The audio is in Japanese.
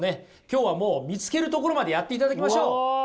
今日はもう見つけるところまでやっていただきましょう。